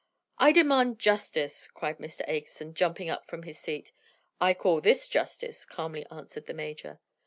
"I demand justice!" cried Mr. Akerson, jumping from his seat. "I call this justice," calmly answered the major.